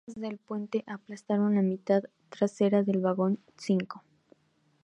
Las piezas del puente aplastaron la mitad trasera del vagón cinco.